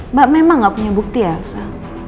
mbak memang gak punya bukti ya elsa